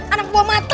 anak buah matle